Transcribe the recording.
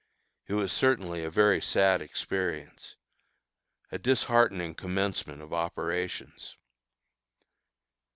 It was certainly a very sad experience a disheartening commencement of operations.